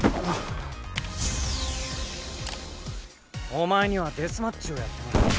お前にはデスマッチをやってもらう。